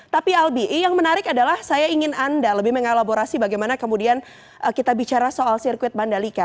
tapi albi yang menarik adalah saya ingin anda lebih mengelaborasi bagaimana kemudian kita bicara soal sirkuit mandalika